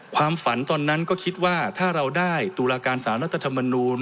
ความฝันตอนนั้นก็คิดว่าถ้าเราได้ตุลาการสารรัฐธรรมนูล